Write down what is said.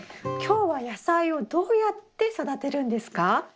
今日は野菜をどうやって育てるんですか？